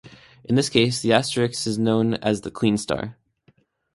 In this case, the asterisk is also known as the Kleene star.